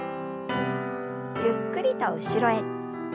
ゆっくりと後ろへ。